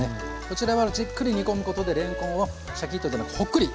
こちらはじっくり煮込むことでれんこんをシャキッとじゃないホックリ